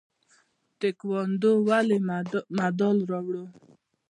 تکواندو ولې مډال راوړ؟